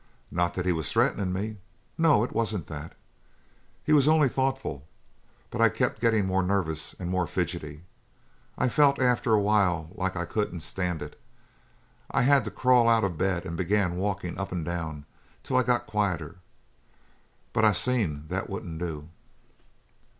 Not that he was threatenin' me. No, it wasn't that. He was only thoughtful, but I kept gettin' more nervous and more fidgety. I felt after a while like I couldn't stand it. I had to crawl out of bed and begin walkin' up and down till I got quieter. But I seen that wouldn't do.